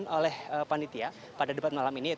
kepada para panitia pada debat malam ini